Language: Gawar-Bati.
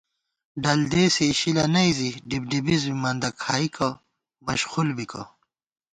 ڈل دېسے اِشِلہ نئ زِی ڈِبڈِبِز بی مندہ کھائیکَہ مشخُل بِکہ